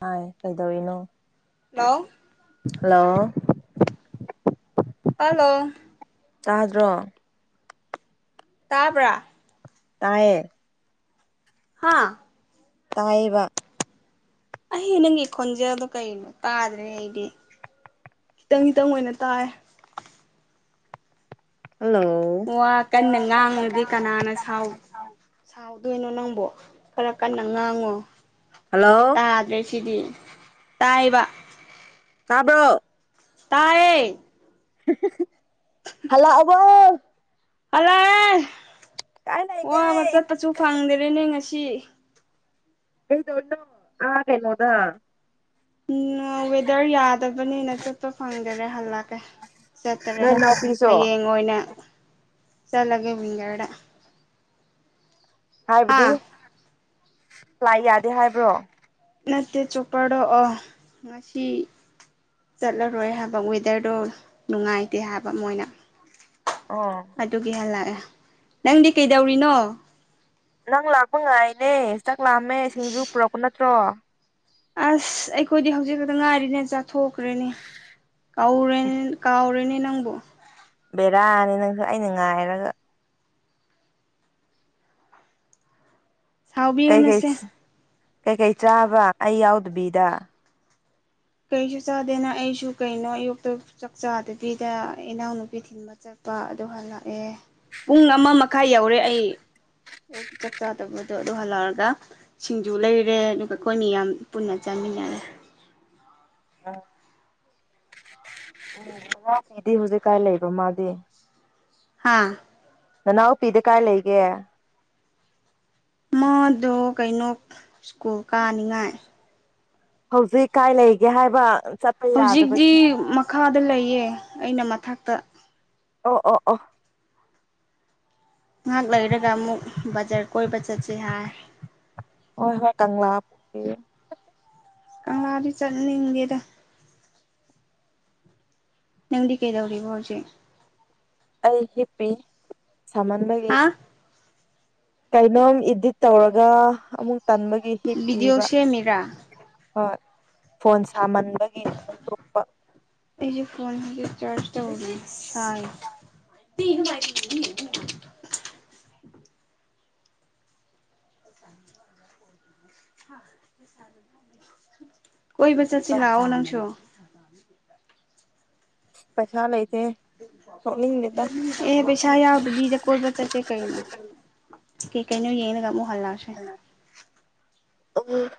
ꯍ ꯀꯗ ꯏꯅꯣ ꯅ ꯑ ꯍꯜꯂꯣ ꯆꯥꯗ꯭ꯔꯣ ꯇꯥꯕ꯭ꯔꯥ ꯇꯌꯦ ꯍꯥꯥ ꯇꯥꯏꯕ ꯑꯩ ꯅꯪꯒꯤ ꯈꯣꯟꯖꯦꯜꯗꯣ ꯀꯩꯅꯣ ꯇꯥꯗ꯭ꯔꯦ ꯑꯩꯗꯤ ꯈꯤꯇꯪ ꯈꯤꯇꯪ ꯑꯣꯏꯅ ꯇꯥꯏ ꯍꯜꯂꯣ ꯋꯥ ꯀꯟꯅ ꯉꯥꯡꯉꯗꯤ ꯀꯅꯥꯅ ꯁꯥꯎ ꯑꯗꯨꯣꯏꯅꯣ ꯅꯪꯕꯣ ꯈꯔ ꯀꯟꯅ ꯉꯥꯡꯉꯣ ꯍꯜꯂꯣ ꯇꯥꯗ꯭ꯔꯦ ꯁꯤꯗꯤ ꯇꯥꯏꯕ ꯇꯥꯕ꯭ꯔꯣ ꯇꯌꯦ ꯍꯜꯂ ꯑꯕ ꯍꯜꯂꯑ ꯂꯩꯒꯦ ꯋꯥꯕ ꯆꯠꯄꯁꯨ ꯐꯪꯗꯔꯦꯅꯦ ꯉꯁꯤ ꯑꯩꯗꯣꯅꯣꯦꯅꯣꯗ ꯎꯝ ꯦꯗꯔ ꯌꯥꯗ ꯌꯥꯗꯕꯅꯤꯅ ꯆꯠꯄ ꯐꯪꯗꯔꯦ ꯍꯜꯂꯛꯀꯦ ꯆꯠꯇꯔꯦ ꯅꯣꯏ ꯏꯅꯥꯎꯄꯤꯁꯨ ꯍꯌꯦꯡ ꯑꯣꯏꯅ ꯆꯠꯂꯒꯦ ꯋꯤꯡꯒꯔꯗ ꯍꯥ ꯍꯥꯏꯕꯗꯤ ꯂꯥꯛ ꯌꯥꯗꯦ ꯍꯥꯏꯕ꯭ꯔꯣ ꯅꯠꯇ ꯆꯣꯞꯄꯔꯣꯛꯑꯣ ꯉꯁꯤ ꯆꯠꯂꯔꯣꯏ ꯍꯥꯏꯕ ꯋꯦꯗꯔꯗꯣ ꯅꯨꯡꯉꯥꯏꯇꯦ ꯍꯥꯏꯕ ꯃꯣꯏꯅ ꯑꯣ ꯑꯗꯨꯒꯤꯍ ꯂꯥꯛꯑꯦ ꯅꯪꯗꯤ ꯀꯩꯗꯧꯔꯤꯅꯣ ꯅꯪ ꯂꯥꯛꯄ ꯉꯥꯏꯅꯦ ꯆꯥꯛ ꯂꯥꯛꯑꯝꯃꯦ ꯁꯤꯡꯖꯨ ꯄꯨꯔꯛꯄ ꯅꯠꯇ꯭ꯔꯣ ꯑꯁ ꯑꯩꯈꯣꯏꯗꯤ ꯍꯧꯖꯤꯛ ꯈꯛꯇ ꯉꯥꯏꯔꯤꯅꯦ ꯆꯥꯊꯣꯛꯈ꯭ꯔꯦꯅꯦ ꯀꯥꯎꯔ ꯀꯥꯎꯔꯅꯦ ꯅꯪꯕꯣ ꯕꯦꯔꯥꯅꯤ ꯅꯪꯁꯨ ꯑꯩꯅ ꯉꯥꯏꯔꯒ ꯀꯩꯀꯩ ꯁꯥꯎꯕꯤꯔꯅꯨꯁꯦ ꯀꯩꯀꯩ ꯆꯥꯕ ꯑꯩ ꯌꯥꯎꯗꯕꯤꯗ ꯀꯩꯁꯨ ꯆꯥꯗꯦꯅ ꯑꯩꯁꯨ ꯀꯩꯅꯣ ꯑꯌꯨꯛꯇ ꯆꯥꯛ ꯆꯥꯗꯕꯤꯗ ꯏꯅꯥꯎꯅꯨꯄꯤ ꯊꯤꯟꯕ ꯆꯠ ꯂꯨꯄꯥ ꯑꯗꯨ ꯍꯜꯂꯛꯑꯦ ꯄꯨꯡ ꯑꯃ ꯃꯈꯥꯏ ꯌꯧꯔꯦ ꯑꯩ ꯑꯌꯨ ꯆꯥꯛ ꯆꯥꯗꯕꯗꯣ ꯑꯗ ꯑꯗꯨ ꯍꯜꯍꯥꯎꯔꯒ ꯁꯤꯡꯖꯨ ꯂꯩꯔꯦ ꯑꯗꯨꯒ ꯑꯩꯈꯣꯏ ꯃꯤ ꯌꯥꯝ ꯄꯨꯟꯅ ꯆꯥꯃꯤꯟꯅꯔꯦ ꯑꯥ ꯎ ꯉꯉꯎ ꯐꯤꯗꯤ ꯍꯧꯖꯤꯛ ꯀꯥꯏ ꯂꯩꯕ ꯃꯥꯗꯤ ꯍꯥꯥ ꯅꯅꯥꯎꯄꯤꯗ ꯀꯥꯏ ꯂꯩꯒꯦ ꯃꯗꯣ ꯀꯩꯅꯣ ꯁ꯭ꯀꯨꯜ ꯀꯥꯅꯤꯡꯉꯥꯏ ꯍꯧꯖꯤꯛ ꯀꯥꯏ ꯂꯩꯒꯦ ꯍꯥꯏꯕ ꯆꯠꯄ ꯍꯧꯖꯤꯛꯇꯤ ꯌꯥꯗꯕꯒꯤ ꯃꯈꯥꯗ ꯂꯩꯌꯦ ꯑꯩꯅ ꯃꯊꯛꯇ ꯑꯣ ꯑꯣ ꯑ ꯉꯥꯏꯍꯥꯛ ꯂꯩꯔꯒ ꯑꯃꯨꯛ ꯕꯖꯥꯔ ꯀꯣꯏꯕ ꯆꯠꯁꯤ ꯍꯥꯏ ꯍꯣꯏ ꯍꯣꯏ ꯀꯪꯂꯥꯄꯤ ꯀꯍꯕꯤ ꯆꯠꯅꯤꯡꯒꯦꯗ ꯅꯪꯗꯤ ꯀꯩꯗꯧꯔꯤ ꯋꯥꯖꯤꯦ ꯑꯩ ꯍꯤꯞꯄꯤ ꯁꯥꯍꯟꯕꯒꯤ ꯍꯥ ꯀꯩꯅꯣꯝ ꯏꯗꯤꯠ ꯇꯧꯔꯒ ꯑꯃꯨꯛ ꯇꯟꯕꯒꯤ ꯍꯤꯞ ꯚꯤꯗꯤꯑꯣ ꯄꯤꯕ ꯁꯦꯝꯃꯤꯔꯥ ꯍꯣꯏ ꯐꯣꯟ ꯁꯥꯃꯟꯕꯒꯤ ꯑꯃꯨꯛ ꯇꯣꯛꯄ ꯐꯣꯟꯣꯟ ꯆꯔꯖ ꯇꯧꯅꯤ ꯍꯥꯏ ꯊꯒ ꯃꯥ ꯀꯣꯏꯕ ꯆꯁꯤ ꯑꯣꯅꯥꯁꯨ ꯆꯂ ꯑꯦ ꯄꯩꯁꯥ ꯌꯥꯎꯗꯕꯤꯗ ꯀꯣꯏꯠꯕ ꯆꯠꯁꯦ ꯀꯩꯅꯣ ꯀꯩ ꯀꯩꯅ ꯌꯦ ꯉꯝꯨ ꯍꯜꯅꯥꯁꯦ ꯎꯝ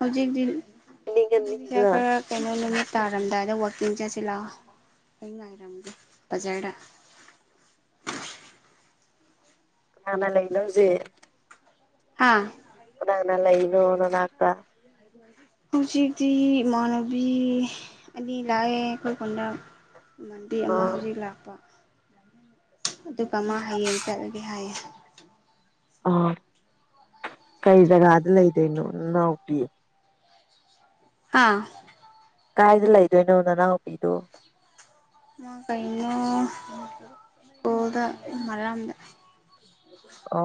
ꯍꯧꯖꯤꯛꯇ ꯍꯧꯖꯤꯛ ꯅꯤꯡꯉꯅꯤꯗꯅ ꯈꯔ ꯀꯩꯅꯣ ꯅꯨꯃꯤꯠ ꯇꯥꯔꯝꯗꯥꯏꯗ ꯋꯥ ꯇꯤꯡ ꯆꯥꯁꯤ ꯂꯥꯛꯑꯣ ꯑꯩ ꯉꯥꯏꯔꯝꯒꯦ ꯕꯖꯥꯔꯗ [unintelligible] ꯀꯅꯥꯅ ꯂꯩ ꯂꯧꯁꯦ ꯍꯥ ꯈꯨꯗꯪꯅꯂ ꯏꯣ ꯅꯅꯥꯛꯇ ꯍꯧꯖꯤꯛꯇꯤ ꯏꯃꯥꯟꯅꯕꯤ ꯑꯅꯤ ꯂꯥꯛꯑꯦ ꯑꯩꯈꯣꯏ ꯀꯣꯟꯗ ꯃꯟꯕꯤ ꯑꯃ ꯑꯥ ꯍꯧꯖꯤꯛ ꯂꯥꯛꯄ ꯑꯗꯨꯒ ꯃꯥ ꯍꯌꯦꯡ ꯆꯠꯂꯒꯦ ꯍꯥꯏꯌꯦ ꯑꯥ ꯀꯔꯤ ꯖꯒꯥꯗ ꯂꯩꯗꯣꯏꯅꯣ ꯅꯅꯥꯎꯄꯤꯌꯦ ꯑꯥ ꯀꯥꯏꯗ ꯂꯩꯗꯣꯏꯅꯣ ꯅꯅꯥꯎꯄꯤꯗꯣ ꯑ ꯀꯩꯅꯣ ꯀꯗ ꯃꯔꯗ ꯑ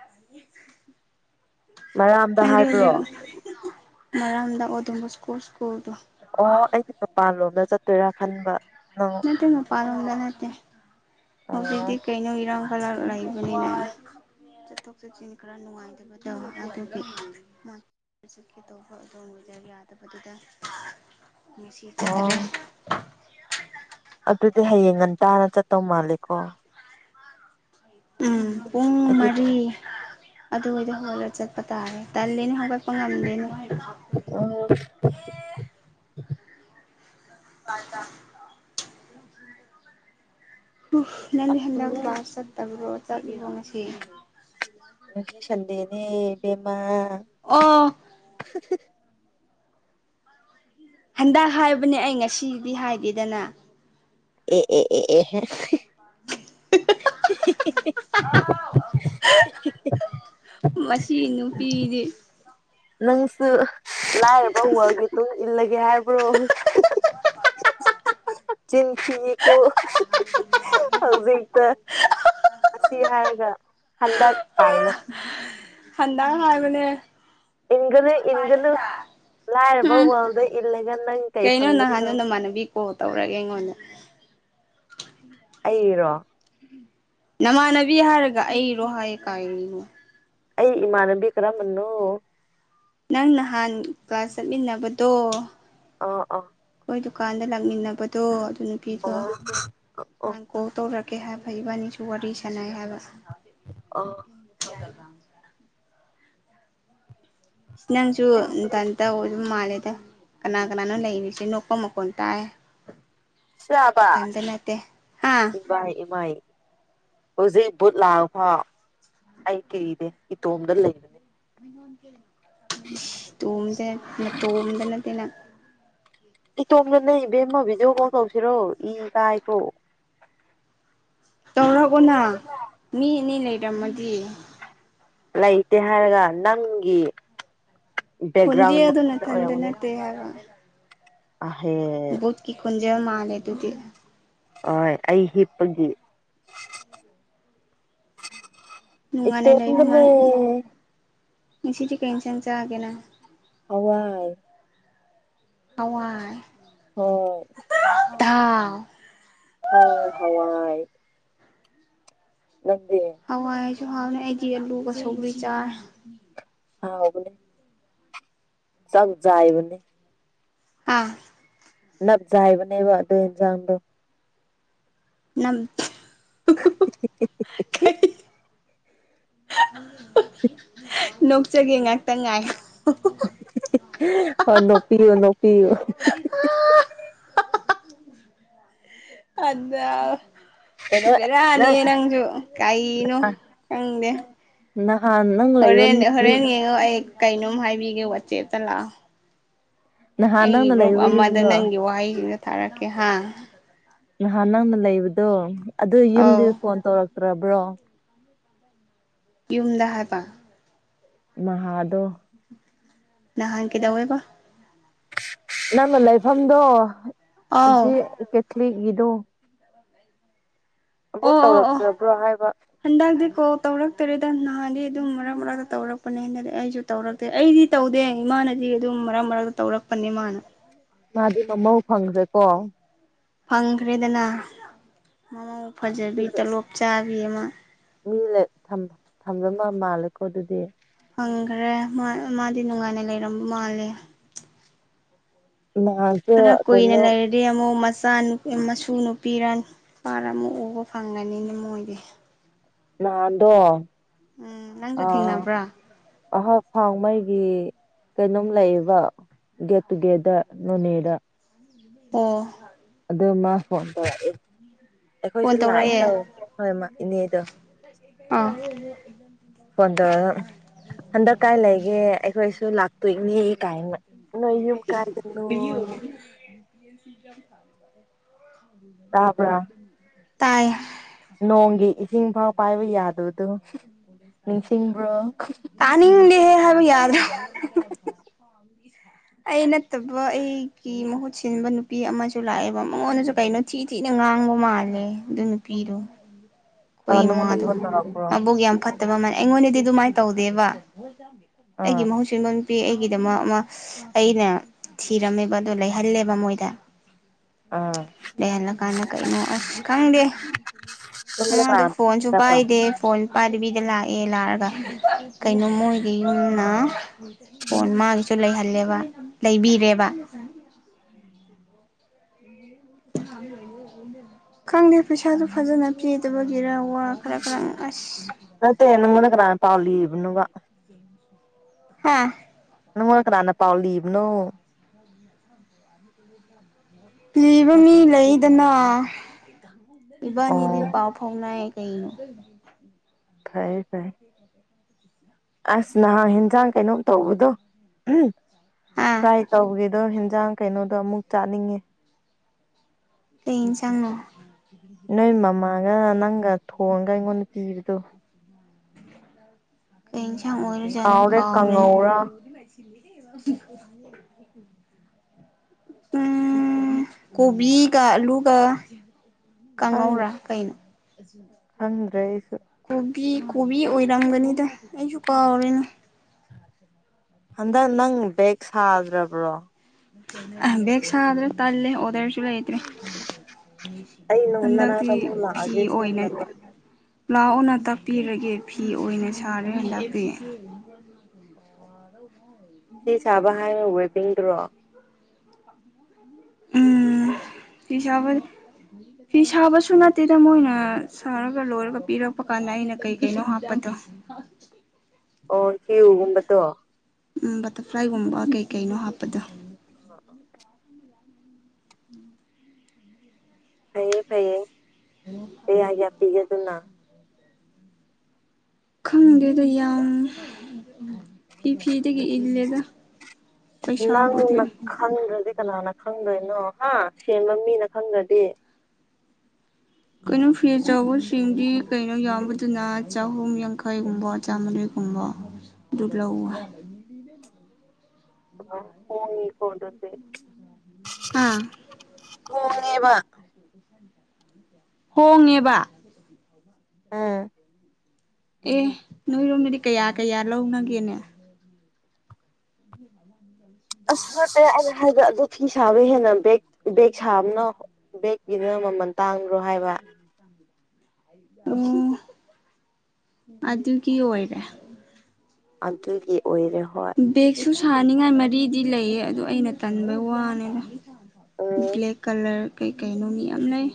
ꯑꯗꯨ ꯃꯔꯥꯝꯗ ꯍꯥꯏꯕ꯭ꯔꯣ ꯃꯔꯝꯗ ꯑꯣꯗꯝꯕ ꯁ꯭ꯀꯣꯔꯜ ꯁ꯭ꯀꯨꯜꯗꯣ ꯑꯣ ꯑꯩꯁꯦ ꯃꯄꯥꯟ ꯂꯣꯝꯗ ꯆꯠꯇꯣꯏꯔꯥ ꯈꯟꯕ ꯅꯪ ꯅꯠꯇꯦ ꯃꯄꯥꯟꯂꯣꯝꯗ ꯅꯠꯇꯦ ꯑꯣ ꯍꯧꯖꯤꯛꯇꯤ ꯀꯩꯅꯣ ꯏꯔꯣ ꯀꯂꯔ ꯂꯩꯥꯏꯕ ꯂꯩꯅ ꯆꯠꯊꯣꯛ ꯆꯠꯁꯤꯟ ꯈꯔ ꯅꯨꯡꯉꯥꯏꯇꯕ ꯑꯗꯨꯒꯤ ꯍꯧꯖꯤꯛꯀꯤ ꯇꯧꯕ ꯑꯗꯣꯡꯕꯗ ꯌꯥꯗꯕꯗꯨꯗ ꯆꯠꯇ꯭ꯔꯦ ꯑꯣ ꯑꯗꯨꯗꯤ ꯍꯌꯦꯡ ꯉꯟꯇꯥꯅ ꯆꯠꯇꯧ ꯃꯥꯜꯂꯦꯀꯣ ꯎꯝ ꯄꯨꯡ ꯑꯌꯨꯛ ꯃꯔꯤ ꯑꯗꯨ ꯑꯣꯏꯗꯤ ꯍꯧꯒꯠꯂꯒ ꯆꯠꯄ ꯇꯥꯔꯦ ꯇꯜꯂꯦꯅ ꯍꯧꯒꯠꯄ ꯉꯝꯗꯦꯅ ꯑ ꯄꯥꯇꯥ ꯅꯪꯗꯤ ꯍꯟꯗꯛ ꯀ꯭ꯂꯥꯁ ꯆꯠꯇꯕ꯭ꯔꯣ ꯆꯠꯂꯤꯔꯣ ꯉꯁꯤ ꯔꯁꯟꯗꯦꯅꯦ ꯕꯤꯃ ꯑꯣ ꯍꯟꯗꯛ ꯍꯥꯏꯕꯅꯦ ꯑꯩ ꯉꯁꯤꯗꯤ ꯍꯥꯏꯗꯦꯗꯅ ꯑꯦ ꯑꯦ ꯑꯦ ꯑꯦ [unintelligible] ꯃꯁꯤ ꯅꯨꯄꯤꯗꯤ ꯅꯪꯁꯨ ꯂꯥꯏꯔꯕ ꯋꯥꯜꯒꯤꯗ ꯏꯜꯂꯒꯦ ꯍꯥꯏꯕ꯭ꯔꯣ [unintelligible] ꯆꯤꯟꯁꯤꯀ ꯍꯧꯖꯤꯛ ꯇ ꯑꯁꯤ ꯍꯥꯏꯔꯒ ꯍꯟꯗꯛ ꯀꯥꯏꯅ ꯍꯟꯗꯥꯡ ꯍꯥꯕꯅꯦ ꯏꯒꯅ ꯏꯒꯅ ꯂꯥꯏꯔꯕ ꯎꯝ ꯋꯥꯜꯗ ꯏꯜꯂꯒ ꯅꯪ ꯀꯩ ꯀꯩꯅꯣ ꯐꯪꯗꯣꯏꯅꯣ ꯅꯍꯥꯟꯗꯣ ꯅꯃꯥꯟꯅꯕꯤ ꯀꯣꯜ ꯇꯧꯔꯒꯦ ꯑꯩꯉꯣꯟꯗ ꯑꯩꯔꯣ ꯅꯃꯥꯟꯅꯕꯤ ꯍꯥꯏꯔꯒ ꯑꯩꯔꯣ ꯍꯥꯏ ꯀꯥꯏꯔꯤꯅꯣ ꯑꯩ ꯏꯃꯥꯟꯅꯕꯤ ꯀꯔꯝꯕꯟꯅꯣ ꯅꯪ ꯅꯍꯥꯟ ꯀ꯭ꯂꯥꯁ ꯆꯠꯃꯤꯟꯅꯕꯗꯣ ꯑ ꯑ ꯑꯩꯈꯣꯏ ꯗꯨꯀꯥꯟꯗ ꯂꯥꯛꯃꯤꯟꯅꯕꯗꯣ ꯑꯗꯨ ꯅꯨꯄꯤꯗꯣ ꯑꯣ ꯅꯍꯥꯟ ꯀꯣꯜ ꯇꯧꯔꯛ ꯀꯩ ꯍꯥ ꯐꯩꯕꯅꯤ ꯁ ꯋꯥꯔꯤꯔꯤ ꯁꯅ ꯍꯥꯏꯕ ꯑ ꯅꯪꯁꯨ ꯇꯟ ꯑꯣ ꯃꯥꯦ ꯀꯅꯥ ꯀꯅꯥꯅꯣ ꯂꯩꯔꯤꯁꯤ ꯅꯀꯣ ꯃꯈꯀꯣꯟ ꯇꯥꯏ ꯃꯊꯟꯇ ꯆꯥꯕꯁ ꯅꯠꯇꯦ ꯍꯥ ꯏꯃꯥꯏ ꯏꯃꯥꯏ ꯍꯧꯖꯤꯛ ꯕꯨꯠ ꯂꯥꯛꯐꯥꯎ ꯑꯩ ꯀꯩꯅꯦ ꯏꯇꯣꯝꯗ ꯂꯩꯕꯅꯦ ꯇꯣꯝꯗ ꯇꯣꯝꯗꯅꯠꯇꯅ ꯏꯇꯣꯝꯅꯅꯦ ꯏꯕꯦꯝꯃ ꯚꯤꯗꯤꯑꯣ ꯀꯣꯜ ꯇꯧꯁꯤꯔꯣ ꯏ ꯀꯥꯏꯈꯣ ꯇꯧꯔꯛꯎꯅ ꯃꯤ ꯑꯅꯤ ꯂꯩꯔꯝꯃꯗꯤ ꯂꯩꯇꯦ ꯍꯥꯏꯔꯒ ꯅꯪꯒꯤ ꯈꯣꯟꯖꯦꯜꯗꯣ ꯅꯊꯟꯗ ꯕꯒ꯭ꯔꯥꯎꯟꯔ ꯅꯠꯇꯦ ꯍꯥꯏꯕ ꯑꯍꯦ ꯖ ꯃꯥꯂꯦ ꯇꯗꯤ ꯍ ꯑꯩ ꯍꯤꯞꯄꯒꯤ ꯅꯨꯡꯉꯥꯏꯅ ꯏꯇꯣꯅ ꯃꯤꯁꯤ ꯆꯀꯥ ꯆꯪ ꯆꯥ ꯀꯩꯅ ꯍꯋꯥꯏ ꯑꯏ ꯍꯣꯏ ꯊ ꯍ ꯍꯋꯥꯏ ꯅꯗ ꯁꯨ ꯍꯥꯎꯅꯤ ꯑꯩꯗꯤ ꯑꯂꯨꯒ ꯁꯒꯔꯤ ꯆꯥꯏ ꯍꯕꯅꯦ ꯆꯥꯛꯖꯏꯕ ꯑꯥ ꯅꯞꯖꯥꯏꯕꯅꯦꯕ ꯑꯗꯨ ꯌꯦꯟꯖꯥꯡꯗꯣ ꯅꯪ [inaudible] ꯅꯣꯛꯆꯒꯦ ꯉꯥꯛꯇ ꯉꯥꯏ ꯑꯣ ꯅꯣꯛꯄꯤꯌꯨ ꯅꯣꯛꯄꯤꯌꯨ ꯑꯗ ꯀꯩꯅꯣ ꯅꯪ ꯕꯔꯅꯤꯌꯦ ꯅꯪꯁꯨ ꯀꯩꯅꯣ ꯈꯪꯗꯦ ꯅꯍꯥꯟ ꯅꯪ ꯂꯩꯕ ꯍꯣꯔꯦꯟ ꯍꯣꯔꯦꯟ ꯌꯦꯡꯉꯣ ꯑꯩ ꯀꯩꯅꯣꯝ ꯍꯥꯏꯕꯤꯒꯦ ꯋꯥꯆꯦꯠꯇ ꯂꯥꯛꯑꯣ ꯅꯍꯥꯟ ꯑꯩꯒꯤ ꯅꯪꯅ ꯒ꯭ꯔꯨꯞ ꯂꯩꯕ ꯑꯃꯗ ꯌꯨꯝꯗꯣ ꯅꯪꯒꯤ ꯋꯥꯍꯩꯁꯤꯡꯗ ꯊꯥꯔꯛꯀꯦ ꯍꯥꯥ ꯅꯍꯥꯟ ꯅꯪꯅ ꯂꯩꯕꯗꯣ ꯑꯗꯨ ꯌꯨꯝꯗꯤ ꯑꯧ ꯐꯣꯟ ꯇꯧꯔꯛꯇ꯭ꯔꯕ꯭ꯔꯣ ꯌꯨꯝꯗ ꯍꯥꯏꯕ ꯃꯍꯍꯥꯗ ꯅ ꯍꯥꯟꯪ ꯀꯗ ꯑꯣꯏꯣꯏꯕ ꯅꯪꯅ ꯂꯩꯐꯝꯗꯣ ꯑꯧ ꯑꯗꯨ ꯀꯦꯊꯂꯤꯛꯀꯤꯗꯣ ꯑꯣ ꯑꯣ ꯑꯣ ꯇꯧꯔꯛꯇ꯭ꯔꯕ꯭ꯔꯣ ꯍꯥꯏꯕ ꯍꯗꯒꯗꯤ ꯀꯣ ꯇꯧꯔꯛꯇꯔꯦꯗ ꯅꯍꯥꯟꯗꯤ ꯑꯗꯨꯝ ꯃꯔꯛ ꯃꯔꯛꯇ ꯇꯧꯔꯛꯄꯅꯦꯅꯗꯤ ꯑꯩꯁꯨ ꯇꯧꯔꯛꯇꯦ ꯑꯩꯗꯤ ꯇꯧꯗꯦ ꯏꯃꯥꯅꯗꯤ ꯁꯤ ꯑꯗꯨꯝ ꯃꯔꯛ ꯃꯔꯛꯇ ꯇꯧꯔꯛꯄꯅꯤ ꯃꯥꯅ ꯃꯥꯗꯤ ꯃꯃꯧ ꯐꯪꯗ꯭ꯔꯦꯀꯣ ꯐꯪꯈ꯭ꯔꯦꯗꯅ ꯃꯃꯧ ꯐꯖꯕꯤ ꯑꯗꯨꯒ ꯇꯂꯣꯞ ꯆꯥꯕꯤ ꯑꯃ ꯃꯤ ꯊꯝꯕ ꯃꯥ ꯃꯥꯜꯂꯦꯀꯣ ꯑꯗꯨꯗꯤ ꯍꯪꯈ꯭ꯔꯦ ꯃꯥ ꯃꯥꯗꯤ ꯅꯨꯡꯉꯥꯏꯅ ꯂꯩꯔ ꯃꯥꯜꯂꯦ ꯅꯍꯥꯟꯁꯨ ꯈꯔ ꯀꯣꯏꯅꯦ ꯀꯩꯅꯣ ꯂꯩꯔꯔꯤꯦ ꯌꯥꯝ ꯃꯁ ꯆꯥ ꯃꯁꯨ ꯅꯨꯄꯤꯔ ꯅꯨꯄꯥꯔ ꯑꯃꯨꯛ ꯎꯕ ꯐꯪꯒꯅꯤꯅ ꯃꯣꯏꯗꯤ ꯅꯥꯟꯗꯣ ꯎꯝ ꯅꯪꯁꯨ ꯊꯦꯡꯅꯕ꯭ꯔꯥ ꯑꯍꯥꯛ ꯐꯥꯎꯉꯩꯒꯤ ꯀꯩꯅꯣꯝ ꯂꯩꯌꯦꯕ ꯒꯦꯠ ꯇꯨꯒꯦꯗꯔ ꯅꯣꯅꯦꯗ ꯑ ꯑꯗꯨꯃ ꯍꯣꯟꯗꯣꯔꯛꯏ ꯐꯣꯟ ꯑꯩꯈꯣꯏꯁꯨ ꯂꯥꯛꯏ ꯇꯧꯔꯛꯑꯦ ꯇꯧ ꯍꯣꯏ ꯏꯅꯦꯗꯣ ꯑꯥ ꯐꯣꯟ ꯇꯧꯔꯒ ꯍꯟꯗꯛ ꯀꯥꯏ ꯂꯩꯒꯦ ꯑꯩꯈꯣꯏꯁꯨ ꯂꯥꯛꯇꯣꯏꯅꯤ ꯀꯥꯏꯅ ꯅ ꯌ ꯀꯥꯏꯗꯅꯣ ꯇꯥꯕ꯭ꯔꯥ ꯇꯌꯦ ꯅꯣꯡꯒꯤ ꯏꯁꯤꯡ ꯐꯥꯎ ꯄꯥꯏꯕ ꯌꯥꯗꯕꯗꯣ ꯅꯤꯡꯁꯤꯡꯕ꯭ꯔꯣ ꯇꯥꯅꯤꯡꯗꯦꯦ ꯍꯥꯏꯕ ꯌꯥꯔꯗ꯭ꯔꯣ ꯑꯩ ꯅꯠꯇꯕ ꯑꯩ ꯑꯩꯛꯀꯤ ꯃꯍꯨꯠ ꯁꯤꯟꯕ ꯅꯨꯄꯤ ꯑꯃꯁꯨ ꯂꯥꯛꯑꯦꯕ ꯃꯉꯣꯟꯗꯁꯨ ꯀꯩꯅꯣ ꯊꯤ ꯊꯤꯅ ꯉꯥꯡꯕ ꯃꯥꯜꯂꯦ ꯑꯗꯨ ꯅꯨ ꯄꯤꯔꯣ ꯑ ꯑꯩꯈꯣꯏ ꯅꯪꯉꯣꯟꯗ ꯏꯃꯥꯗꯣ ꯐꯣꯟ ꯇꯧꯔꯛꯄ꯭ꯔꯣ ꯃꯕꯨꯣꯛꯒꯤ ꯌꯥꯝ ꯐꯠꯇꯕ ꯃꯥꯅꯦ ꯑꯩꯉꯣꯟꯗꯗꯤ ꯑꯗꯨꯃꯥꯏꯅ ꯇꯧꯗꯦꯕ ꯑꯩꯒꯤ ꯑꯥ ꯃꯍꯧꯁꯝ ꯄꯄꯤ ꯑꯩꯒꯤꯗꯃꯛ ꯑꯃ ꯑꯩꯅ ꯊꯤꯔꯝꯃꯦꯕ ꯑꯗꯣ ꯂꯩꯍꯜꯂꯦꯕ ꯃꯣꯏꯗ ꯑꯥ ꯂꯩꯍꯜꯂꯀꯥꯟꯗ ꯀꯔꯤꯩꯅꯣ ꯑꯁ ꯈꯪꯗꯦ ꯃ ꯅꯪꯉꯣꯟꯗ ꯑꯗꯨ ꯀꯅꯥꯅ ꯇꯧꯔꯛꯄ꯭ꯔꯣ ꯐꯣꯟꯁꯨꯄꯥꯏꯗꯦ ꯐꯣꯟ ꯄꯥꯏꯕꯤ ꯦ ꯂꯥꯛꯑꯦ ꯂꯥꯛꯔꯒ ꯀꯩꯅꯣ ꯃꯣꯏꯒꯤ ꯌꯨꯝꯅ ꯄꯣꯟ ꯃꯥꯒꯤꯁꯨ ꯂꯩꯍꯜꯂ ꯕ ꯂꯩꯕꯤꯔꯦꯕ ꯎꯝ ꯈꯪꯗꯦ ꯄꯩꯁꯥꯗꯨ ꯐꯖꯅ ꯄꯤꯗꯕꯒꯤꯔ ꯋꯥ ꯍꯥꯈ꯭ꯔ ꯈ꯭ꯔꯥꯡ ꯑꯁ ꯄꯥꯎꯜꯂꯤꯕꯅꯒ ꯍꯥꯥ ꯑꯗꯨꯉꯅ ꯀꯅꯥꯥꯅ ꯄꯑꯣ ꯂꯤꯕꯅꯣ ꯄꯤꯕ ꯃꯤ ꯂꯩꯗꯅ ꯑꯣ ꯏꯕꯥꯅꯤꯗꯤ ꯄꯥꯎ ꯐꯥꯎꯅꯩ [unintelligible] ꯐꯌꯦꯦ ꯐꯥꯏ ꯑꯁ ꯅꯍꯥꯟ ꯌꯦꯟꯖꯥꯡ ꯀꯩꯅꯣꯝ ꯇꯧꯕꯗꯣ ꯎꯝ ꯍꯥ ꯇ꯭ꯔꯥꯏ ꯇꯧꯒꯗꯣ ꯌꯦꯟꯖꯥꯡ ꯀꯩꯅꯣꯗꯣ ꯑꯃꯨꯛ ꯆꯥꯅꯤꯡꯉꯦ ꯀꯟꯁꯥꯡꯅ ꯅꯣꯏ ꯃꯃꯥꯒ ꯅꯪꯒ ꯊꯣꯡꯉꯒ ꯑꯩꯉꯣꯟꯗ ꯄꯤꯕꯗꯣ ꯀꯅꯁꯥꯡ ꯑꯣꯏꯏꯔꯨꯖꯅ ꯀꯥꯎꯔꯦ ꯀꯥꯎꯔꯅ ꯀꯥꯡꯉꯧꯔꯥ [unintelligible] ꯎꯝ ꯀꯣꯕꯤꯤ ꯀ ꯑꯂꯨ ꯀ ꯀꯪꯉꯧꯔꯥ ꯀꯥꯏꯩꯅ ꯗꯩ ꯀꯧꯔꯤꯅ ꯍꯟꯗꯛ ꯅꯪ ꯕꯦꯦꯛ ꯁꯥꯗ꯭ꯔꯕ꯭ꯔꯣ ꯑ ꯦꯛ ꯁꯗ꯭ꯔꯣ ꯇꯜꯦ ꯑꯣꯗꯔ ꯂꯩꯇ꯭ꯔꯦ ꯑꯩ ꯅꯪ ꯍꯟꯗꯛꯇꯤ ꯅꯅꯥꯛꯇ ꯑꯃꯨꯛ ꯐꯤ ꯂꯥꯛꯑꯒꯦ ꯑꯣꯏꯅ ꯁꯦꯝꯅꯕ ꯂꯥꯛꯑꯣꯅ ꯇꯥꯛꯄꯤꯔꯒꯦ ꯐꯤ ꯑꯣꯏꯅ ꯁꯥꯔꯦ ꯇꯥꯛꯄꯤ ꯑꯣ ꯁꯤ ꯁꯥꯕ ꯍꯥꯏꯅ ꯋꯦꯕꯤꯤꯡꯗꯨꯔꯣ [unintelligible] ꯍꯤꯁꯥꯕ ꯐꯤ ꯁꯥꯕꯁꯨ ꯅꯠꯇꯦꯗ ꯃꯣꯏꯅ ꯁꯥꯔꯒ ꯂꯣꯏꯔꯒ ꯄꯤꯔꯛꯄ ꯀꯥꯟꯗ ꯑꯩꯅ ꯀꯩ ꯀꯩꯅꯣ ꯍꯥꯞꯄ ꯑꯗꯣ ꯑꯣ ꯀꯤꯨꯒꯨꯝꯕꯗꯣ ꯎꯝ ꯕꯇꯔꯐ꯭ꯂꯥꯏꯒꯨꯝꯕ ꯀꯩ ꯀꯩꯅꯣ ꯍꯥꯞꯄꯗꯣ ꯐꯩꯌꯦ ꯐꯩꯌꯦ ꯀꯌꯥ ꯀ ꯄꯤꯒꯦ ꯑꯗꯨꯅ ꯈꯪꯗꯦꯗ ꯌꯥꯝ ꯐ ꯐꯤꯗ ꯏꯂꯗ ꯄꯩꯁꯥꯕ ꯑꯣꯏꯗꯤ ꯅꯪꯅ ꯈꯪꯗ꯭ꯔꯗꯤ ꯀꯅꯥꯅ ꯈꯪꯗꯣꯏꯅꯣ ꯍꯥ ꯁꯦꯝꯕ ꯃꯤꯅ ꯈꯪꯗ꯭ꯔꯗꯤ ꯀꯩꯅꯣ ꯐꯤ ꯑꯆꯕꯁꯤꯡꯗꯤ ꯀꯩꯅꯣ ꯌꯥꯝꯕꯗꯨꯅ ꯆꯍꯨꯝ ꯌꯥꯡꯈꯩꯒꯨꯝꯕ ꯆꯥꯝꯃ ꯀꯨꯝꯕ ꯂꯧꯋ ꯎ ꯑ ꯍꯣꯡꯉꯤ ꯍꯗꯗꯤ ꯑꯥ ꯍꯨꯡꯉꯦꯕ ꯍꯣꯡꯉꯦꯕ ꯑꯝ ꯑꯦ ꯅꯣꯏꯔꯣꯝꯗꯗꯤ ꯀꯌꯥ ꯀꯌꯥ ꯂꯧꯅꯒꯦꯅꯦ ꯑꯁ ꯅꯠꯇꯦ ꯑ ꯍꯥꯏꯕ ꯑꯗꯣ ꯐꯤ ꯁꯥꯕ ꯍꯦꯟꯅ ꯕ ꯕꯦꯒ ꯁꯥꯕꯅ ꯕꯦꯒꯀꯤꯅ ꯃꯃꯜ ꯇꯥꯡ꯭ꯔꯣ ꯍꯥꯏꯕ ꯑꯣ ꯑꯗꯨꯒꯤ ꯑꯣꯏꯔꯦ ꯑꯟꯇꯣꯏꯒꯤ ꯑꯣꯏꯔꯦ ꯍ ꯁꯨ ꯁꯥꯅꯤꯡꯉꯥꯏ ꯃꯔꯤꯗꯤ ꯂꯩꯌꯦ ꯑꯗꯨ ꯑꯩꯅ ꯇꯟꯕꯩ ꯋꯥꯅꯤꯅ ꯎꯝ ꯕ꯭ꯂꯦꯛ ꯀꯂꯔ ꯀꯩꯀꯩꯅꯣ ꯃꯤ ꯌꯥꯝ ꯂꯩ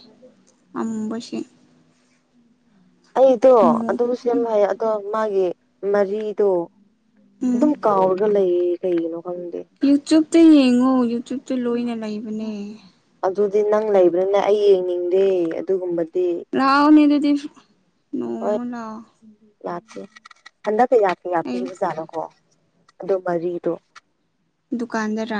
ꯑꯃꯝꯕꯁ ꯑꯩꯗꯣ ꯑꯗꯨꯝ ꯁꯦꯝ ꯍꯥꯏ ꯑꯗꯣ ꯃꯥꯒꯤ ꯃꯔꯤꯗꯣ ꯎꯝ ꯑꯗꯨꯝ ꯀꯥꯎꯔꯒ ꯂꯩꯌꯦ ꯀꯩꯒꯤꯅꯣ ꯈꯪꯗꯦ ꯑꯛꯇ ꯌꯦꯡꯉꯣ ꯌꯨꯇ꯭ꯌꯨꯕꯇ ꯂꯣꯏꯅ ꯂꯩꯕꯅꯦ ꯑꯗꯨꯗꯤ ꯅꯪ ꯂꯩꯕ꯭ꯔꯅ ꯑꯩ ꯌꯦꯡꯅꯤꯡꯗꯦ ꯑꯗꯨꯒꯨꯝꯕ ꯂꯥꯎꯃꯤ ꯑꯗꯨꯗꯤ ꯍꯣꯏ ꯅꯣꯡꯃ ꯂꯥꯛꯑꯣ ꯌꯥꯀꯦ ꯍꯟꯗꯛꯛꯇ ꯌꯥꯀꯦ ꯌꯥꯀꯦ ꯑꯩ ꯑꯣꯖꯥꯠꯅꯣꯀꯣ ꯑꯗꯨ ꯃꯔꯤꯗꯨ ꯗꯨꯀꯥꯟꯗꯔ ꯔ